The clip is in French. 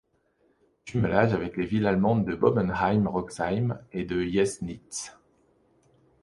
Jumelage avec les villes allemandes de Bobenheim-Roxheim et de Jeßnitz.